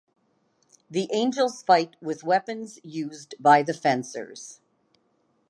The angels fight with weapons used by the fencers.